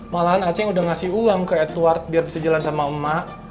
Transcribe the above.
malahan aceh udah ngasih uang ke edward biar bisa jalan sama emak